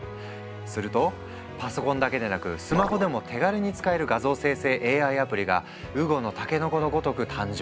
するとパソコンだけでなくスマホでも手軽に使える画像生成ＡＩアプリが雨後のたけのこのごとく誕生！